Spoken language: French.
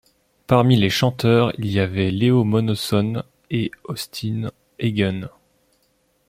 Parmi les chanteurs, il y avait Leo Monosson et Austin Egen.